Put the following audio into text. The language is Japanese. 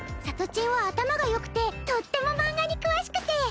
さとちんは頭がよくてとっても漫画に詳しくて。